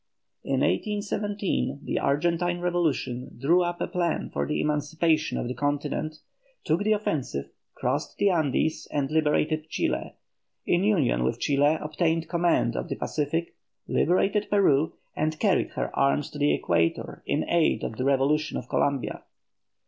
In 1817 the Argentine revolution drew up a plan for the emancipation of the continent, took the offensive, crossed the Andes, and liberated Chile; in union with Chile obtained command of the Pacific, liberated Peru and carried her arms to the equator in aid of the revolution of Columbia.